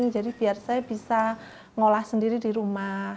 jadi biar saya bisa mengolah sendiri di rumah